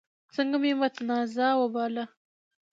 ځکه مې متنازعه وباله.